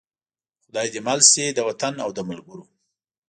خدای دې مل شي د وطن او د ملګرو.